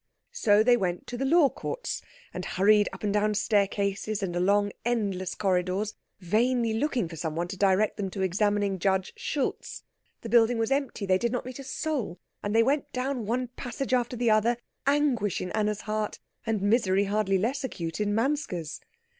So they went to the Law Courts, and hurried up and down staircases and along endless corridors, vainly looking for someone to direct them to Examining Judge Schultz. The building was empty; they did not meet a soul, and they went down one passage after the other, anguish in Anna's heart, and misery hardly less acute in Manske's.